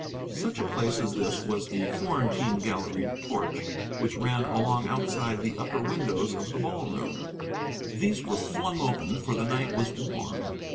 Such a place as this was the Florentine galleried porch, which ran along outside the upper windows of the ball room; these were flung open, for the night was warm.